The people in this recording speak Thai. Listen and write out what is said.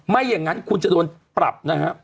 ไม่อย่างนั้นคุณจะโดนปรับนะฮะ